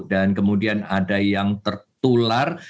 dan kemudian ada yang tertular